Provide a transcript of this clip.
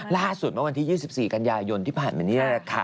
ล่าสุดวันที่๒๔กันยายนที่ผ่านแบบนี้แหละค่ะ